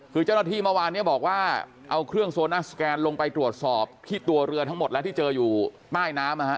คือเจ้าหน้าที่เมื่อวานเนี่ยบอกว่าเอาเครื่องโซนัสแกนลงไปตรวจสอบที่ตัวเรือทั้งหมดแล้วที่เจออยู่ใต้น้ำนะฮะ